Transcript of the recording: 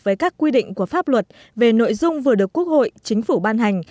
với các quy định của pháp luật về nội dung vừa được quốc hội chính phủ ban hành